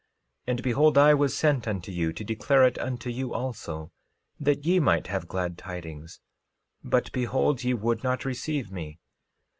And behold, I was sent unto you to declare it unto you also, that ye might have glad tidings; but behold ye would not receive me.